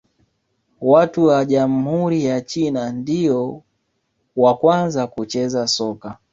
Watu wa jamhuri ya China ndio wa kwanza kucheza soka